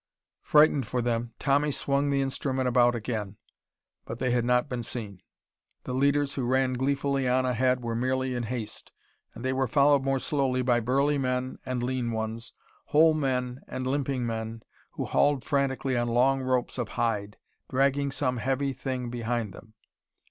Frightened for them, Tommy swung the instrument about again. But they had not been seen. The leaders who ran gleefully on ahead were merely in haste. And they were followed more slowly by burly men and lean ones, whole men and limping men, who hauled frantically on long ropes of hide, dragging some heavy thing behind them.